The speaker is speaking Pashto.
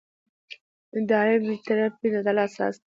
اداري بېطرفي د عدالت اساس دی.